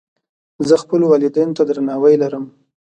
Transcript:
زه خپلو والدینو ته درناوی لرم.